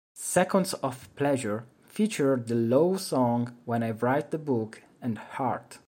"Seconds of Pleasure" featured the Lowe songs "When I Write the Book" and "Heart".